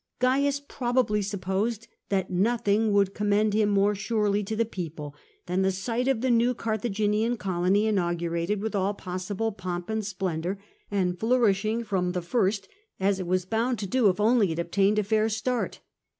Cains probably supposed that nothing would commend him more surely to the people than the sight of the new Carthaginian colony inaugurated with all possible pomp and splendour, and flourishing from the first, as it was bound to do, if only it obtained a fair start.